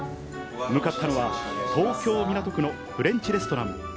向かったのは東京・港区のフレンチレストラン。